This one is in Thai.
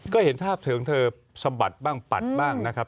ก็เห็นภาพถึงเธอสะบัดบ้างปัดบ้างนะครับ